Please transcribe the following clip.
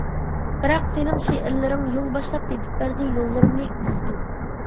بىراق سېنىڭ شېئىرلىرىڭ يول باشلاپ تېپىپ بەردى يوللىرىمنى ئۇپۇقتىن.